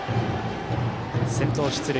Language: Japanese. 先頭が出塁。